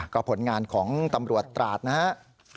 ก็ผลงานของตำรวจตราดนะฮะ